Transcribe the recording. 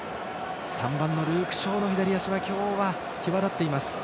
３番のルーク・ショーの左足は今日は際立っています。